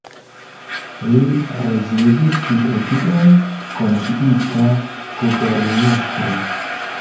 Li rezidis tie kiel komisiita guberniestro.